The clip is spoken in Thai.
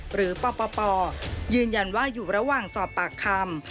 หรือปปยืนยันว่าอยู่ระหว่างสอบปากคำ